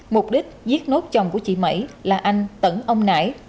mục đích giết nốt chồng của chị mẩy là anh tấn ông nải